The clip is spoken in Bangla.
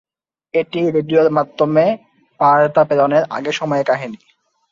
এটি রেডিওর মাধ্যমে বার্তা প্রেরণের আগের সময়ের কাহিনী।